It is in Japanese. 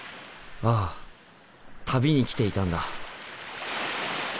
ああ旅に来ていたんだ。